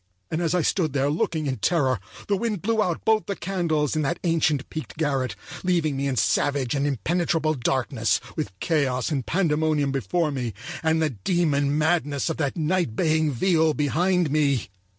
And as I stood there looking in terror, the wind blew out both the candles in that ancient peaked garret, leaving me in savage and impenetrable darkness with chaos and pandemonium before me, and the demon madness of that night baying viol behind me.